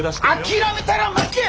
諦めたら負け！